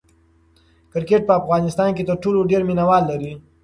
کرکټ په افغانستان کې تر ټولو ډېر مینه وال لري.